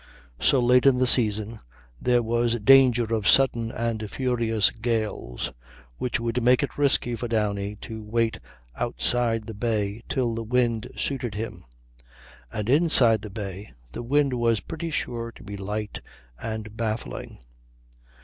So late in the season there was danger of sudden and furious gales, which would make it risky for Downie to wait outside the bay till the wind suited him; and inside the bay the wind was pretty sure to be light and baffling.